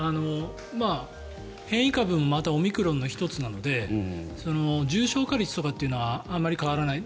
変異株もまたオミクロンの１つなので重症化リスクはあまり変わらない。